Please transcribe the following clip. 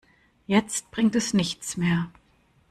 Jetzt bringt es nichts mehr.